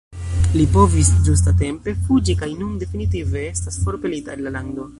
Li povis ĝusta-tempe fuĝi kaj nun definitive estas forpelita el la lando.